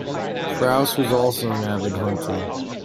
Prowse was also an avid hunter.